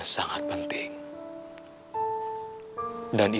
kerabat ibu datang tadi